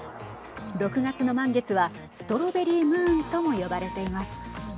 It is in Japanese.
６月の満月はストロベリームーンとも呼ばれています。